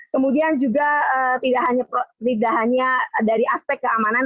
kemudian juga tidak hanya dari aspek keamanan